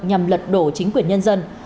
nhằm lật đổ chính quyền nhân dân